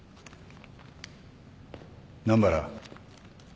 南原。